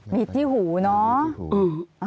มิดที่หูเนอะ